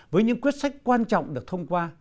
với những quyết sách quan trọng được thông qua